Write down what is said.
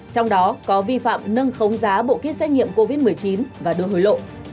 trong đó có vi phạm nâng khống giá bộ kit xét nghiệm covid một mươi chín và đưa hối lộ